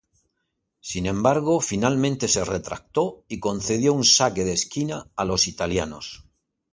Sin embargo, finalmente se retractó y concedió un saque de esquina a los italianos.